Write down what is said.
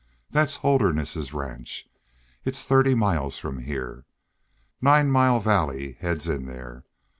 That's Holderness's ranch. It's thirty miles from here. Nine Mile Valley heads in there.